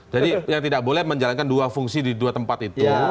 jadi yang tidak boleh menjalankan dua fungsi di dua tempat itu